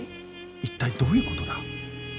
一体どういう事だ？